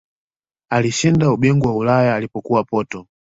alishinda ubingwa wa ulaya alipokuwa porto